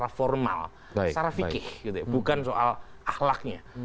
secara formal secara fikih bukan soal ahlaknya